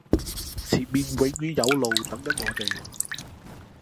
前面永遠有路等緊我哋